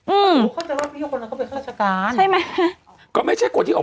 อืมเขาจะร่วมพิธีคนนั้นเข้าไปเครื่องชาติการใช่ไหม